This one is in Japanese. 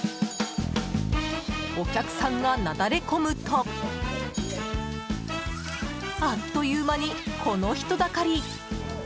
お客さんがなだれ込むとあっという間に、この人だかり。